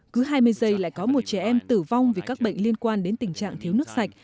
cứ hai mươi giây lại có một trẻ em tử vong vì các bệnh liên quan đến tình trạng thiếu nước sạch